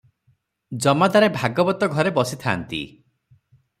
ଜମାଦାରେ ଭାଗବତ ଘରେ ବସିଥାନ୍ତି ।